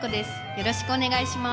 よろしくお願いします。